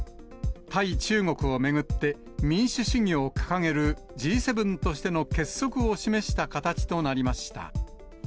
対中国を巡って、民主主義を掲げるＧ７としての結束を示した形となりました。